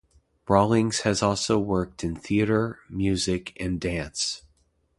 Rawlings has also worked in theatre, music, and dance.